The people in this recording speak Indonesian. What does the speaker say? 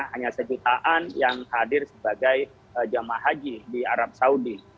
hanya satu jutaan yang hadir sebagai jama' haji di arab saudi